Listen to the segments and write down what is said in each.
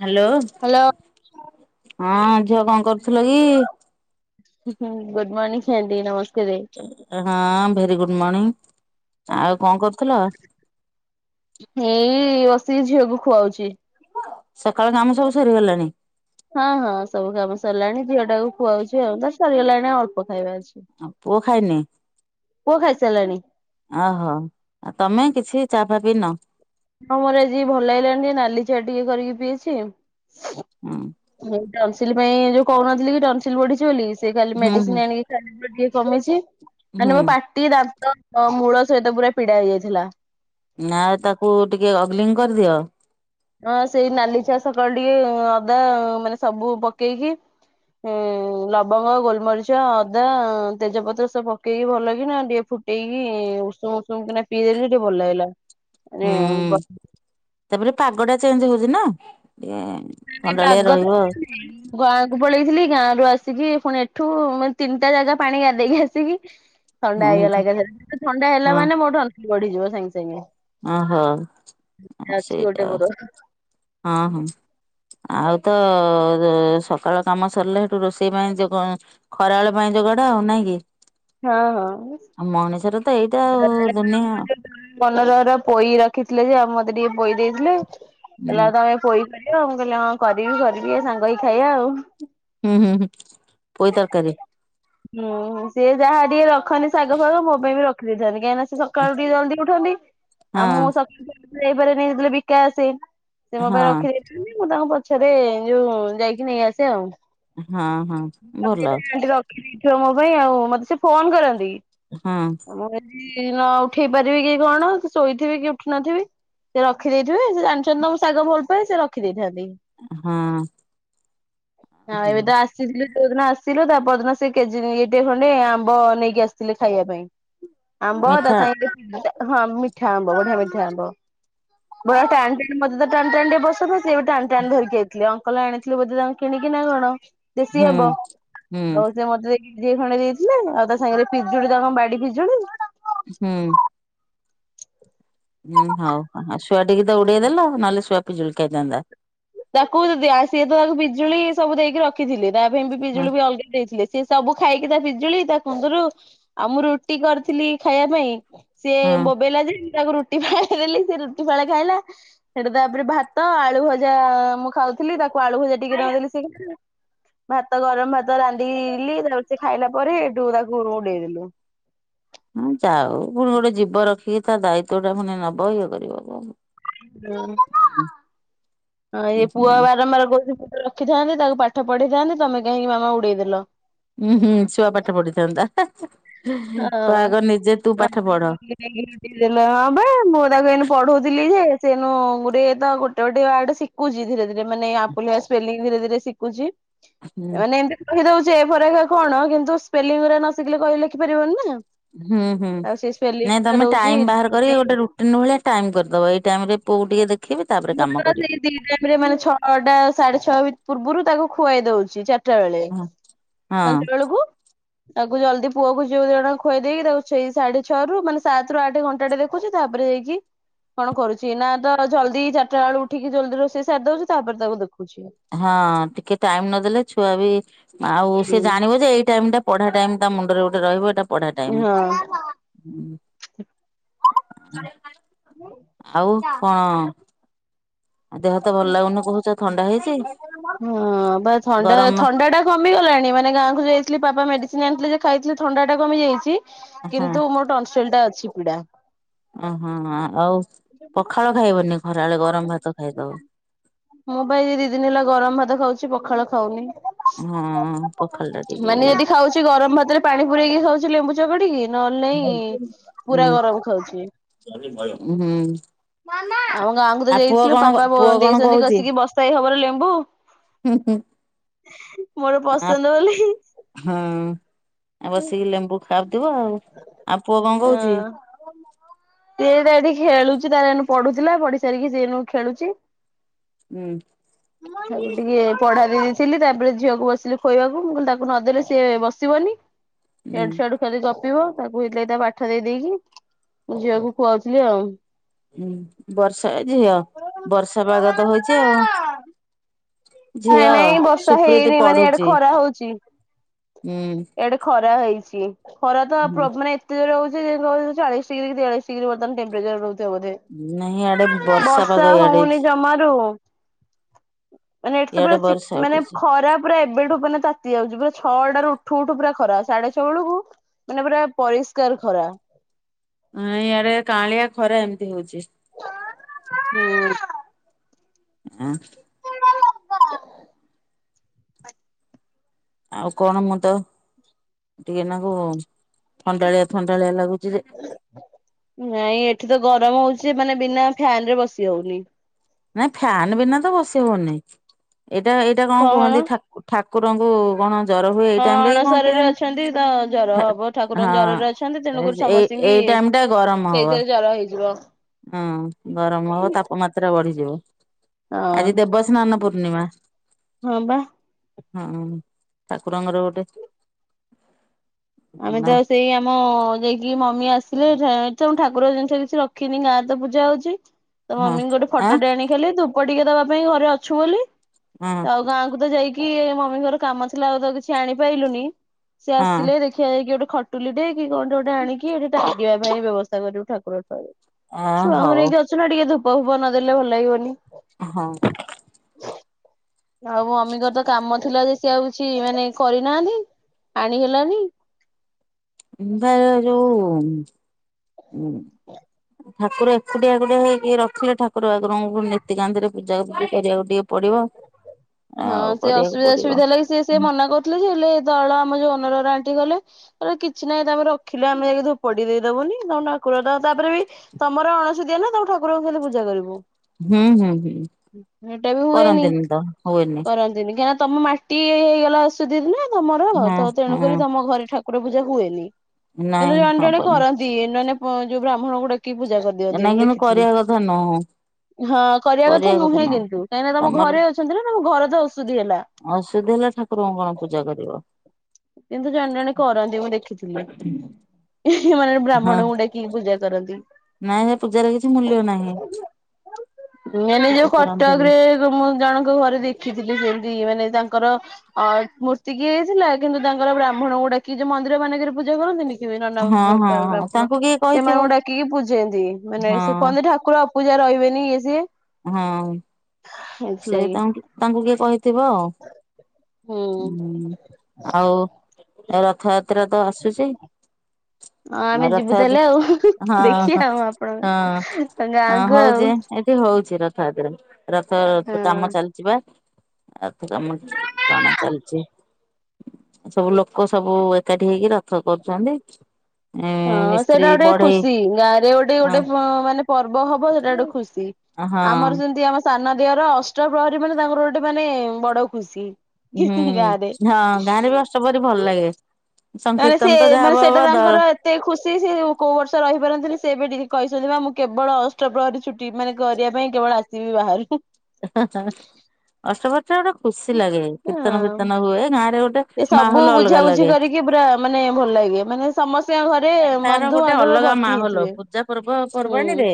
Hello hello. ହଁ ଝିଅ କଣ କରୁଥୁଲ ଇ? ହୁଁ ଗୁଡ଼ ମଣି ଛା ଦି ନମସ୍ ହଁ ଭେରି ଗୁଡ଼୍ ମଣିଂ। ଏଇ ଅସି ଝିଅକୁ ଖୁଆଉଛି। ସକାଳ କାମ ସବୁ ସରିଗଲାଣି। ହଁ ହଁ ସବୁ କାମ ସରିଲାଣି ଝିଅ ଟାକୁ ଖୁଆଉଛି ଆଉ ତ ସରିଗଲାଣି ଅଳ୍ପ ଖାଇବା ଅଛି। ଆଉ ପୁଅ ଖାଇନି? ପୁଅ ଖାଇସାରିଲାଣି। ଓହୋ ଆଉ ତମେ କିଛି ଚାଫା ପିଇନ? ହଁ ମୋର ଆଜି ଭଲ ହେଇିଲଣିି ନାଲି ଚା ଟିକେ କରିକି ପିଇଛି। ହୁଁ। ଟନ୍‌ସିଲ୍‌ ପାଇଁ ଯୋଉ କହୁନଥିଲି କି ଟନ୍‌ସିଲ୍ ବଢିଛି ବୋଲି ସେ ଖାଲି ହୁଁ ହୁଁ ମେଡିସିନ ଆଣିକି ଖାଲି ପ ଟିକେ କମିଛି। ହୁଁ ମେଲେ ମୋ ପାଟି ଦାନ୍ତ ମୂଳ ସହିତ ପୁରା ପୀଡା ହେଇଯାଇଥିଲା। ନା ତାକୁ ଟିକେ ଅଗ୍ଲିଙ୍ଗ କରିଦିଅ। ହଁ ସେଇ ନାଲି ଚାଷ କଳ ଟିକେ ଅଦା ମାନେ ସବୁ ପକେଇକି ଉ ଲବଙ୍ଗ ଗୋଲମରିଚ ଅଦା ତେଜପତ୍ର ସବୁ ପକେଇକି ଭଲ କିନା ଟେ ଫୁ ଫୁଟେଇକି ଉଷୁମ ଉଷୁମ କିନା ପିଇଦେଲେ ସେ ଟିକେ ଭଲ ଲାଗିଲା। ମାନେ ହୁଁ ଗ ତାପରେ ପାଗ ଟା ଚେଞ୍ଜ ହଉଛି ନା। ଏ ଥଣ୍ଡାଳିଆ ପାଗ ରହିବ ଆଉ। ଗାଁକୁ ପଳେଇଥିଲି ଗାଁରୁ ଆସିକି ପୁଣି ଏଠୁ ତିନିଟା ଜାଗା ପାଣି ଗାଧେଇକି ଆସିକି ଥଣ୍ଡା ହେଇଗଲା ହୁଁ ଲାଗା ଥଣ୍ଡା ହେଲା ହଁ ମାନେ ମୋ ଟନସିଲ୍ ବଢିଯିବ ସାଙ୍ଗେ ସାଙ୍ଗେ। ଓହୋ ଅଛି ଗୋଟେ ସେଇଟା ମୋର ହଁ ହଁ। ଆଉ ତ ସକାଳ କାମ ସରିଲା ସେଠୁ ରୋଷେଇ ପାଇଁ ଯ ଖରାବେଳ ପାଇଁ ଯ ଚଡା ଆଉ ନାଇଁ କି? ହଁ ହଁ। ଆଉ ମଣିଷର ତ ଏଇଟା ଆଉ ଦୁନିଆ ଆଉ। [unintelligible] ପୋଇ ରଖିଥିଲେ ଯେ ଆଉ ମତେ ଟିକେ ପୋଇ ଦେଇଥିଲେ ହୁଁ ହେଲା ତ ଆମେ ପୋଇ କରି ଉ ମୁଁ କହିଲି ହଁ କରିବି କରିବି ଏ ସାଙ୍ଗ ହେଇ ଖାଇବା ଆଉ। ହୁଁ ହୁଁ ପୋଇ ତରକାରୀ। ହୁଁ ସିଏ ଯାହା ଟିକେ ରଖନ୍ତିି ଶାଗ ଫାଗ ମୋ ପାଇଁ ବି ରଖିଦେଇଥାନ୍ତି କାହିଁକି ନା ସେ ସକାଳୁ ଟିକେ ଜଲଦି ଉଠନ୍ତି ଆଉ ହଁ ମୁଁ ସକାଳ ଯାଇପାରେଲେ ବିକା ଆସେ। ସେ ମୋ ପାଇଁ ହଁ ରଖି ଦେଇେଇଥିଲେ ମୁଁ ତାଙ୍କ ପଛରେ ଯୋଉ ଯାଇକି ନେଇ ଆସେ ଆଉ। ହଁ ହଁ ବୋଲ। ସେ ମୋ ପାଇଁ ଆଉ ମତେ ସେ ଫୋନ କରନ୍ତି। ହଁ। ମୁଁ ଯଦି ନ ଉଠେଇ ପାରିବି କି କଣ ଶୋଇଥିବି କି ଉଠୁ ନଥିବି। ସେ ରଖିଦେଇଥିବେ ସେ ଜାଣିଛନ୍ତି ତ ମମ ଶାଗ ଭଲ ପାଏ ସେ ରଖି ଦେଇଥାନ୍ତି। ହଁ ହଁ ଏବେ ତ ଆସିଥିଲି। ଯୋଉ ଦିନ ଆସିଲେ ତା ପର ଦିନ ସେ ଏଇଠେ ଖଣ୍ଡେ ଆମ୍ବ ନେଇକି ଆସିଥିଲେ ଖାଇବା ପାଇଁ। ଆମ୍ବ ମିଠା ହଁ ମିଠା ଆମ୍ବ ବଢିଆ ମିଠା ଆମ୍ବ। ବୁର ଟାଣି ଟାଣି ମତେ ତ ଟାଣି ଟାଣି ଟ ବସ ଟାଣି ଟାଣି ଧରିକି ଆଇଥିଲା ଆଉ। କଲେ ଆଣିଥିଲୁ ବୋଧେ ତାଙ୍କୁ କିଣିକି ନା କଣ ଦେଶୀ ହୁଁ ଆମ୍ବ ହୁଁ ପଇସା ମତେ ଦେଖି କିଲେ ଖଣ୍ଡେ ଦେଇଥିଲେ ଆଉ ତା ସାଙ୍ଗରେ ପିଜୁଳି ତାଙ୍କ କଣ ବାଡି ପିଜୁଳି। ହୁଁ। ହୁଁ ହଉ ଶୁଆ ଟିକେ ତ ଉଡେଇ ଦେଲା ନହେଲେ ଶୁଆ ପିଜୁଳି ଖାଇଥାନ୍ତା। ତାକୁ ସିଏ ତ ତାକୁ ପିଜୁଳି ସବୁ ଦେଇକି ରଖିଥିଲେ ତା ପାଇଁ ବି ହଁ ପିଜୁଳି ବି ଅଲଗା ଦେଇଥିଲେ। ସେ ସବୁ ଖାଇକି ତା ପିଜୁଳି ତା କୁନ୍ଦରୁ ଆଉ ମୁଁ ରୁଟି କରିଥିଲି ଖାଇବା ପାଇଁ। ସିଏ ହଁ ବୋବେଇଲା ଯେ ତାକୁ ରୁଟି ଫାଳେ ଦେଲି ସେ ରୁଟି ଫାଳେ ଖାଇଲା ସେଠୁ ତାପରେ ଭାତ ଆଳୁ ଭଜା ଯା ମୁଁ ଖାଉଥିଲି ତାକୁ ଆଳୁ ଭଜା ଟିକେ ଦେଲି ସେ ଭାତ ଗରମ ଭାତ ରାନ୍ଧିଲି ତାପ ସେ ଖାଇଲା ପରେ ସେଇଠୁ ତାକୁ ଉଡେଇଦଲୁ। ହଁ ଯାହା ହୋଉ ପୁଣି ଗୋଟେ ଜୀବ ରଖିକି ତା ଦାୟିତ୍ଵ ଟା ପୁଣି ନବ ଇଏ କରିବ କ ହୁଁ ଇଏ ପୁଅ ହୁଁ ବାରମ୍ବାର କହୁଛି ତୁ ତୋର ଶିଥାନ୍ତି, ତାକୁ ପାଠ ପଢେଇଥାଆନ୍ତି। ତମେ କାହିଁକି ମାମା ଉଡେଇଦେଲ? ହୁଁ, ହୁଁ ଛୁଆ ପାଠ ପଢିଥାନ୍ତା। ହା ହା, ଆଗ ନିଜେ ତୁ [inaudible] ହଁ, ପାଠ ପଢ ପା ମୁଁ ତାକୁ ଏଇନେ ପଢଉଥିଲି, ଯେ ସେନୁ ଗୁଟେ ତ ଗୋଟେ ଗୋଟେ ୱାଡ ଶିଖୁଚି। ଧୀରେ ଧୀରେ ମାନେ, ଆପୁଲିଆ ସ୍ପେଲିଙ୍ଗ୍ ଧୀରେ ଧୀରେ ଶିଖୁଚି। ହୁଁ ମାନେ, ଏମିତି କହି ଦଉଛି, ଏ ଫର୍ ହେକା କଣ? କିନ୍ତୁ, ସ୍ପେଲିଂରା ନ ଶିଖିଲେ କହିଲେ ତି ପାରିବନି ନା! ହୁଁ, ହୁଁ। ଆଉ ସେ ସ୍ପେଲିଂ ନାଇଁ, ଟା ତମେ ଦଉଛି ଟାଇମ୍ ବାହାର ଲେଖିବା କରିକି, ପାଇଁ। ଗୋଟେ ରୁଟିନ୍ ଭଳିଆ ଟାଇମ୍ କରିଦବ। ଏଇ ଟାଇମ୍ ରେ ପୁଅକୁ ଟିକେ ଦେଖିବି। ତାପରେ ମୁଁ କାମ ତ କରିବି। ସେଇ ଦିଟାଇମ୍ ରେ ମାନେ ଛଅ ଟା ସାଢେ ଛଅ ପୂର୍ବରୁ ତାକୁ ଖୁଆଇ ଦଉଚି। ଚା ଟାଳେ ହଁ ତାଙ୍କରଳକୁ ତାକୁ ଜଲ୍ଦି ପୁଅକୁ [unintelligible] ଜଣା ଖୁଏଇ ଦେଇକି, ଦେଖୁ ସେଇ ସାଢେ ଛଅ ରୁ ମାନେ ସାତ ରୁ ଆଠ ଘଣ୍ଟାଟେ ଦେଖୁଛି। ତା'ପରେ ଏଇକି କଣ କରୁଛି ନା! ତ ଜଲ୍ଦି ଚାର୍ ଟା ବେଳୁ ଉଠିକି ଜଲ୍ଦି ରୋଷେଇ ସାରି ଦଉଛୁ। ତା'ପରେ ତାକୁ ଦେଖୁ। ହଁ, ଟିକେ ଟାଇମ୍ ନଦେଲେ, ଛୁଆ ବି ଆଉ ହଁ। ସେ ଜାଣିବ ଯେ, ଏଇ ଟାଇମ୍ ଟା ପଢା ଟାଇମ଼୍ ତା ମୁଣ୍ଡରେ ଗୋ ରହିବ। ଏଟା ପଢା ହଁ ଟାଇମି। ଉଁ ଉ ଆଉ କଣ? ହ ତ ଭଲ ଲାଗୁନି କହୁଛ! ଥଣ୍ଡା ହେଇଛି। ହଁ, ବା ଥଣ୍ଡା! ଗରମ ଥଣ୍ଡା ଟା କମିଗଲାଣି। ମାନେ ଗାଁକୁ ଯାଇଥିଲି ପାପା ମେଡି ସିନ୍ ଆଣିଥିଲେ ଯେ ଖାଇଥିଲି ଥଣ୍ଡା ଟା କମି ଯାଇଛି। ହଁ କିନ୍ତୁ ମୋର ଟନ୍ସିଲ ଟା ଅଛି ପିଡା। ଅଁ ହ, ଆଉ ପଖାଳ ଖାଇବନି, ଖରାବେଳେ ଗରମ ଭାତ ଖାଇଦବ। ମୁଁ ପା ଏଇ ଦି ଦିନ ହେଲା ଗରମ ଭାତ ଖାଉଛି, ପଖାଳ ଖାଉନି। ହଁ ପଖାଳ ଟା ଟିକେ ମାନେ ଇଏ। ଯଦି ଖାଉଛି। ଗରମ ଭାତରେ ପାଣି ପୁରରେଇକି ଖାଉଛି ଲେମ୍ବୁ ଚକଡିକି। ନହ ନଲେ ନାଇଁ ହୁଁ ପୁରା ଗରମ ଖାଉଛି। ହୁଁ। ଆମ ଗାଁକୁ ତ ଆଉ ପୁଅ ଯାଇଥିଲୁ, କଣ ପାପା ବ ପୁଅ କଣ ଦେଇ ସ ଛନ୍ତି କହୁଛି? କଷିକି ବସ୍ତାଏ ହବର ଲେମ୍ବୁ। ହୁଁ ମୋର ହୁଁ ପସନ୍ଦ ବୋଲି, ହଁ ହି ବସିକି ଲେମ୍ବୁ ଖାଉଥିବ ଆଉ। ଆଉ ପୁଅ କଣ କହୁଛି? ହଁ, ସେ ଡାଡି ଖେଳୁଛ ତାର ଏଇନୁ ପଢୁଥିଲା। ପଢି ସାରିକି ସିଏ ଏନୁ ଖେଳୁଛି। ହୁଁ ଖାଲି ଟିକେ ପଢା ଇ ଥିଲି, ତା'ପରେ ଝିଅକୁ ବସିଲି ଖୋଇବାକୁ। ମୁଁ କହିଲି ତାକୁ ନଦେଲେ ସିଏ ବସିବନି। ହୁଁ। ଇଆଡୁ ସିଆଡୁ ତପିବ। ତାକୁ ହେଇଥିଲାଗ ତା ପାଠ ଦେଇ ଦେଇକି ମୁଁ ଝିଅକୁ ଖୁଆଉଥିଲି ଆଉ। ହୁଁ, ବର୍ଷା ଏ ଝିଅ ବର୍ଷା ପାଗ ତ ହୋଇଛି ଆଉ। ନାଇଁ ଝିଅ ନାଇଁ, ବର୍ଷା ସୁପ୍ରୀତି ହେଇନି ମାନେ ଇଆଡେ ପଢୁଛି ଖରା ହଉଚି। ହୁଁ। ଏଆଡେ ଖରା ହେଇଛି। ଟି ଖରା ତ ହୁଁ ପ୍ରବ୍ ମାନେ ଏତେ ଜୋର୍ ରେ ରହୁଛି, ଯେ କହିବ ଚାଳିଶ ଡିଗ୍ରୀ କି ତେୟାଳିଶ ଡିଗ୍ରୀ ବର୍ତ୍ତମାନ ଟେମ୍ପରେଚର ରହୁ ଥିବ ବଧେ! ନାହିଁ ଇଆଡେ ପାଗ ବର୍ଷା ଇଆଡେ ହଉନି ହେଇଛି ଜମାରୁ ମାନେ, ଏଠି ତ ପୁରା ଇଆଡେ ଚିକ୍ ବର୍ଷା ମାନେ, ଉଠେଇଛି। ଖରା ପୁରା ଏବେଠୁ ମାନେ, ତାତି ଯାଉଛି ପୁରା ଛଅଟାରୁ ଉଠୁ ଉଠୁ ପୁରା ଖରା, ସାଢେ ଛଅ ବଳକୁ ମାନେ ପୁରା ପରିଷ୍କାର ଖରା। ହଁ ଇଆଡେ କାଁଳିଆ ଖରା ଏମତି ହଉଛି। ହୁଁ। ଅଁ। ଆଉ କଣ! ମୁଁ ତ ଟିକେ ନା କୁ ଥଣ୍ଡାଳିଆ ଥଣ୍ଡାଳିଆ ଲାଗୁ ନାଇଁ ଏଠି ତ ଗରମ ହଉଛ ଚି ମାନେ, ବିନା ଫ୍ୟାନ୍ ରେ ବସି ହଉନି। ନାଇଁ, ଫ୍ୟାନ୍ ବିନା ତ ବସ ହଉନି। ଏଇଟା ଏଇଟା କଣ କୁହନ୍ତି ଠାକୁ-ଠାକ୍ କୁରଙ୍କୁ ଗଣ ଜର ହୁଏ, ଏଇ ହଁ ଟାଇମ୍ ରେ କି କଣ ଅଣସରରେ ଅଛନ୍ତି ତ ଜର କେଜାଣି? ହବ ଠାକୁରଙ୍କ ହଁ, ଜରରେ ଅଛନ୍ତି ତେଣୁକରି ଏ ଏ ସମସ୍ତିଙ୍କି ଟାଇମ୍ ଟା ଗରମ ହବ। ସେଇଥିରେ ଜର ହେଇଯିବ ହଁ, ଗରମ ହବ। ତାପମାତ୍ରା ବଢିଯିବ। ହଁ ଆଜି, ଦେବସ୍ନାନ ପୂର୍ଣ୍ଣିମା। ହଁ ବା। ହଁ ଠାକୁରଙ୍କର ଗୋଟେ ଆମେ ନା ତ ସେଇ ଆମ ଯାଇକି ମମି ଆସିଲେ ଠା ତ ମୁ ଠାକୁର ଜିନିଷ କିଛି ରଖିନି ଗାଁରେ ପୂଜା ହଉଛି ତ ହଁ ମମିଙ୍କୁ ଗୋଟେ ଆଁ ଫଟୋଟେ ଆଣି ଖାଲି ଧୂ ପ ଟିକେ ଦବା ପାଇଁ ଘରେ ଅଛୁ ବୋଲି ହଁ ଆଉ ଗାଁକୁ ତ ଯାଇ କି ମମି ଘର କାମ ଥିଲା ଆଉ ତ କିଛି ଆଣିପାଇଲୁନି ସିଏ ହଁ ଆସିଲେ ଦେ ଯାଇକି ଗୋଟେ ଖଟୁଲି ଟେ କି କଣେ ଗୋଟେ ଆଣିକି ଏଇଠି ଟାଙ୍ଗିବା ପାଇଁ ବ୍ୟବସ୍ଥା କରିବୁ ଠାକୁର ଘରେ। ଆ ଛୁଆଙ୍କୁ ହଉ ନେଇକି ଅଛୁ ନା ଟିକେ ଧୂପ ଫୂପ ନଦେଲେ ଭଲ ଲାଗିବନି। ହଁ। ଆଉ ମମିଙ୍କର ତ କାମ ଥିଲା ଯେ ସିଏ ଆଉ କିଛି ମାନେ କରିନାହାନ୍ତି ଆଣି ହେଲାନି। ହୁଁ। ଠାକୁର ଏକୁଟିଆ ଏକୁଟିଆ ହେଇକି ରଖିଲେ ଠାକୁର ବାକୁରଙ୍କୁ ନୀତିକାନ୍ତିରେ ପୂଜା ପୂଜି କରିବା ଟିକେ ପଡିବ। ହଁ ଆଉ ସେ କରିବାକୁ ଅସୁବିଧା ପଡିବ ସୁବିଧା ଲାଗି ସେ ସେ ମନା କରୁଥିଲେ ଯେ ହେଲେ ତଳ ଆମ ଯୋଉ ଓନର ଆଣ୍ଟି ଗଲେ କହିଲେ କିଛି ନାଇ ତମେ ରଖିଲେ ଆମେ ଯାଇକି ଧୂପ ଟେ ଦେଇଦବୁନି ତମ ଠାକୁର ଟା ତାପରେ ବି ତମର ଅଣସୁଦିଆ ନା ତମ ଠାକୁରକୁ କେମିତି ପୂଜା କରିବୁ ହୁଁ ହୁଁ ହୁଁ ହେଟା ବି ହୁଏନି କରନ୍ତିନି ତ ହୁଏନି। କରନ୍ତିନି କାହିଁକିନା ତମ ମାଟି ହେ ହେଇଗଲା ଅସୁଧି ନା ତମର ହଁ ତ ହଁ ତେଣୁକରି ତମ ଘରେ ଠାକୁ କୁର ପୂଜା ହୁଏନି କିନ୍ତୁ ନାଇଁ ଜଣେ ଜଣେ ହବନି। କରନ୍ତି ଏନାନେ ଯୋଉ ପ ବ୍ରାହ୍ମଣ କୁ ଡାକି କି ପୂଜା କରିଦିଅନ୍ତି ନା ମୁଁ କିନ୍ତୁ ଦେଖିଥିଲି। କରିବା କଥା ନୁହଁ ହଁ କରିବା କଥା ନୁହେଁ କିନ୍ତୁ କାହିଁକିନା ତମ ଘରେ ଅଛନ୍ତି ନା ତମ ଘର ତ ଅସୁଧି ହେଲା। ଅସୁଧି ହେଲା ଠାକୁରଙ୍କୁ କଣ ପୂଜା କରିବ। କିନ୍ତୁ ଜଣେ ଜଣେ କରନ୍ତି ମୁଁ ଦେଖିଥିଲି ମାନେ ହଁ ବ୍ରାହ୍ମଣଙ୍କୁ ଡାକିକି ପୂଜା କରନ୍ତି। ନାଇଁ ହେ ପୂଜାର କିଛି ମୂଲ୍ୟ ନାହିଁ। ମାନେ ପୂଜା ଯୋଉ କଟକ କରନ୍ତିନି ରେ ମୁଁ ଜଣଙ୍କ ଘରେ ଦେଖି ଦେଖଥିଲି ସେମିତି ମାନେ ତାଙ୍କର ଅ ମୂର୍ତ୍ତି କିଏ ହେଇଥିଲା କିନ୍ତୁ ତାଙ୍କର ବ୍ରାହ୍ମଣ କୁ ଡାକି ଯଉ ମ ମନ୍ଦିର ମାନଙ୍କରେ ପୂଜା କରନ୍ତିନି। ନନା ହଁ ହଁ ହଁ ତାଙ୍କୁ କିଏ କହିଥିବ ସେମାନଙ୍କୁ ଡାକିକି ପୂଜନ୍ତି ମାନେ ସେ ହଁ କହନ୍ତି ଠାକୁର ପୂଜା ରହିବେନି ଏ ସିଏ। ହଁ ସେ ହେଇଥିଲାଗି ତାଙ୍କୁ ତାଙ୍କୁ କିଏ କହିଥିବ ଆଉ। ହୁଁ। ହୁଁ ଆଉ ରଥଯାତ୍ରା ତ ଆସୁଛି। ହଁ ଆମେ [inaudible] ଯିବୁ ରଥ ତାହେଲେ ଆଉ ଦେଖିବା ହଁ ଆଉ ଆପଣଙ୍କ ହଁ ଗାଁକୁ ହଉ ଆଉ ଯେ ଏଠି ହ ହଉଛି ରଥ ହାତରେ ରଥ କାମ ହଁ। ଚାଲିଛିିବା। ଏଥ କ ମୁ ଟଣା ଚାଲିଛି। ସବୁ ଲୋକ ସବୁ ଏକାଠି ହେଇକି ରଥ କରୁଛନ୍ତି। ଏ ହଁ ମିସ୍ତ୍ରୀ ସେଇଟା ଗୋଟେ ବଢେଇ ଖୁସି ଗାଁ ରେ ଗୋଟେ ହଁ ଗୋଟେ ମାନେ ପର୍ବ ହବ ସେଟା ଗୋଟେ ଖୁସି। ହଁ ଆମର ସେମିତି ଆମ ସାନ ଦେହର ଅଷ୍ଟ ପ୍ରହରୀ ମାନେ ତାଙ୍କର ଗୋଟେ ମାନେ ବଡ ଖୁସି। ହୁଁ ଗାଁରେ ହଁ ଗାଁରେ ବି ବଷ୍ଟ ପରି ଭଲ ଲାଗେ। ମାନେ ସେ ସଂକୀର୍ତ୍ତନ ତ ଯାହା ମାନେ ହବ ହବ ସେଇଟା ଦଳ ତାଙ୍କର ଏତେ ଖୁସି ସେ କୋଉ ବର୍ଷ ରହିପାରନ୍ତିନି ସେବେ ଟିକେ କହିଛନ୍ତି ବା ମୁଁ କେବଳ ଅଷ୍ଟପ୍ରହରୀ ଛୁଟି ମାନେ କରିବା ପାଇଁ କେବଳ ଆସିବି ବାହାରୁ। ଅଷ୍ଟବ ଗୋଟେ ଖୁସି ଲାଗେ କୀର୍ତ୍ତନ ହଁ। ଫୀର୍ତ୍ତନ ହୁଏ ଗାଁ ରେ ଗୋଟେ ସେ ସବୁ ମାହୋଲ ଅଲଗା ବୁଝା ବୁଝି ଲାଗେ। କରିକି ପୁରା ମାନେ ଭଲ ଲାଗେ ମାନେ ସମସ୍ତଙ୍କ ଘରେ ନାଇ ତାର ଗୋଟେ ବନ୍ଧୁବାନ୍ଧବ ଅଲଗା ଭର୍ତ୍ତି ମାହୋଲ ହେଇଥିବେ ପୂଜା ପର୍ବ ହୁଁ। ପର୍ବାଣୀରେ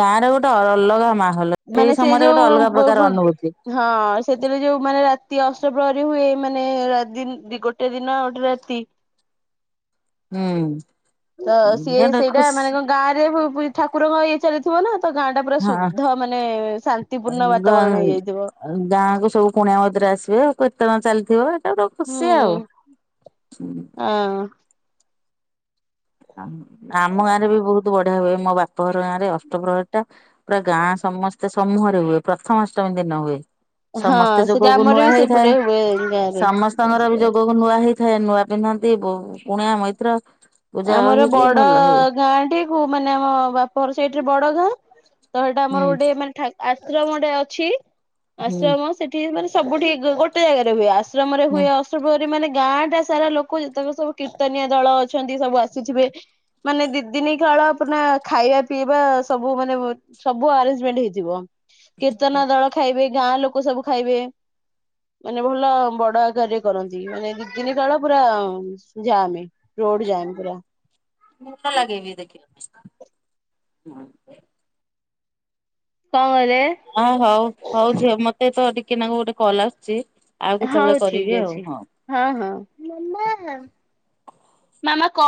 ଗାଁ ରରେ ଗୋଟେ ଅଲଗା ମା ମାନେ ସେ ଯୋଉ ହଁ ସେଥିରେ ଯୋଉ ମାନେ ରାତି ଅ ଫେବୃଆରୀ ହୁଏ ମାନେ ଦ ଗୋଟେ ଦିନଉ ଗୋଟେ ରାତି ହୁଁ। ତ ସିଏ ଗୋଟେ ସେଇଟା ଖୁସି ମାନେ ଗାଁରେ ଠାକୁରଙ୍କ ଇଏ ଚାଲିଥିବ ନା ତ ଗାଁ ଟା ପୁରା ହଁ ଶୁଦ୍ଧ ମାନେ ଶାନ୍ତିପୂର୍ଣ୍ଣ ଗାଁ ବାତାବରଣ ହେଇଯାଇଥିବ। ଗାଁକୁ ସବୁ କୁଣିଆ ମୈତ୍ର ଆସିବେ କେତେ ଟଙ୍କା ଚାଲିଥିବ ଏଇଟା ଗୋଟେ ହୁଁ ଖୁସି ଆଉ। ହଁ। ଆମ ଗାଁ ରେ ବି ବହୁତ ବଢିଆ ହୁଏ ମୋ ବାପ ଘର ଗାଁ ରେ ଅଷ୍ଟପ୍ରହର ଟା ପୁରା ଗାଁ ସମସ୍ତେ ସମୂହରେ ହୁଏ ପ୍ରଥମାଷ୍ଟମୀ ଦିନ ହୁଏ। ସମସ୍ତେ ହଁ ସେଟା ଯୋଗକୁ ଆମର ନୂଆ ବି ହେଇଥାଏ ସେଇପଟେ ହୁଏ ଗାଁରେ। ସମସ୍ତଙ୍କର ବି ଯୋଗକୁ ନୂଆ ହେଇ ଥାଏ ନୂଆ ପିନ୍ଧନ୍ତି କୁଣିଆ ମୈତ୍ର ପୂଜା ଆମର ହେଇକି ବଡ ଭଲ ହୁଏ ଗାଁ ଟିକୁ କୋଉ ମାନେ ଆମ ବାପର ସେଇଠିରେ ବଡ ଗାଁ। ତ ଏଇଟା ଆମର ହୁଁ ଗୋଟେ ମାନେ ଆଶ୍ରମ ଗୋଟେ ଅଛି ହୁଁ ଆଶ୍ରମ ସେଠି ମାନେ ସବୁଠି ଗୋଟେ ଜାଗାରେ ହୁଏ ଆଶ୍ରମରେ ହୁଁ ହୁଏ ଅଷ୍ଟପ୍ରହରୀରେ ମାନେ ଗାଁ ଟା ସାରା ଲୋକ ଯେତେବେଳେ ସବୁ କୀର୍ତନିଆ ଦଳ ଅଛି। ସବୁ ଆସୁଥିବେ ମାନେ ଦି ଦିନି କାଳ ପା ଖାଇବା ପିଇବା ସବୁ ମାନେ ସବୁ ଆରେଞ୍ଜମେଣ୍ଟ ହେଇଥିବ କୀର୍ତ୍ତନ ଦଳ ଖାଇବେ ଗାଁ ଲୋକ ସବୁ ଖାଇବେ। ମାନେ ଭଲ ବଡ ଆକାରରେ କରନ୍ତି ମାନେ ଦି ଦିନି କାଳ ପୁରା ଯାମେ। ହୁଁ ଭଲ ଲାଗେ ବି ଦେଖିଲେ। ହଁ [unintelligible] କଣ କ ଆ ହଉ ହଉ ଝିଅ ମତେ ତ ଟିକେ ନା କ ଗୋଟେ କଲ୍ ଆସୁଛି। ଆଉ କେତେବେଳେ ହଉ କରିବି ଠିକ ଆଉ ଅଛି ହଁ ହଁ ମା ମା